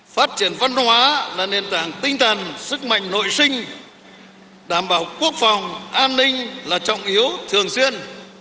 phát triển văn hóa là nền tảng tinh thần sức mạnh nội sinh đảm bảo quốc phòng an ninh là trọng yếu thường xuyên